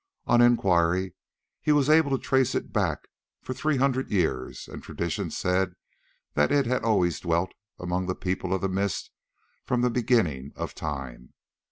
On enquiry he was able to trace it back for three hundred years, and tradition said that it had always dwelt among the People of the Mist from "the beginning of time."